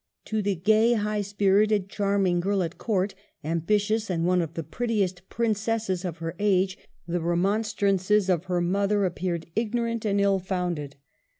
To the gay, high spirited, charming girl at Court, ambitious, and one of the prettiest princesses of her age, the remon strances of her mother appeared ignorant and ill founded.